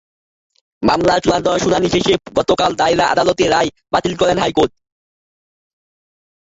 মামলার চূড়ান্ত শুনানি শেষে গতকাল দায়রা আদালতের রায় বাতিল করেন হাইকোর্ট।